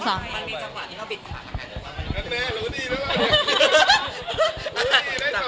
แค่ไม่ทิมสองสอง